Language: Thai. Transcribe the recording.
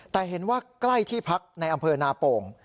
แต่เห็นว่าใกล้ที่พักในอำเภอนาโป่ง